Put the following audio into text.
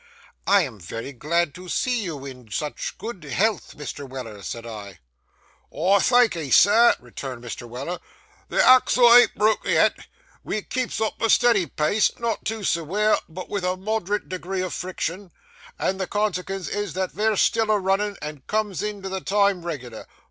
'I am very glad to see you in such good health, Mr. Weller,' said I. 'Why, thankee, sir,' returned Mr. Weller, 'the axle an't broke yet. We keeps up a steady pace,—not too sewere, but vith a moderate degree o' friction,—and the consekens is that ve're still a runnin' and comes in to the time reg'lar.